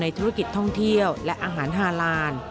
ธุรกิจท่องเที่ยวและอาหารฮาลาน